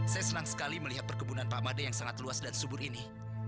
saya senang sekali melihat perkebunan pak made yang sangat luas dan subur ini